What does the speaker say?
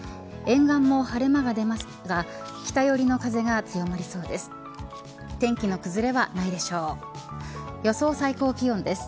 沿岸も晴れ間が出ますが北寄りの風が強まりそうです。